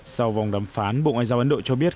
sau vòng đàm phán bộ ngoại giao ấn độ cho biết